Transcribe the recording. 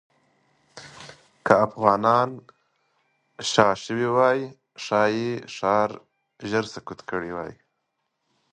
که افغانان شا شوې وای، ښایي ښار ژر سقوط کړی وای.